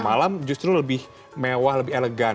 malam justru lebih mewah lebih elegan